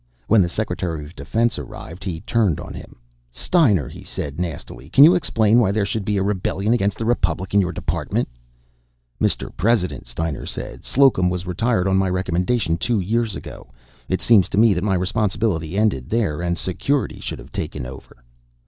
When the Secretary of Defense arrived, he turned on him. "Steiner," he said nastily, "can you explain why there should be a rebellion against the Republic in your department?" "Mr. President," Steiner said, "Slocum was retired on my recommendation two years ago. It seems to me that my responsibility ended there and Security should have taken over."